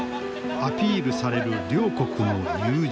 アピールされる両国の友情。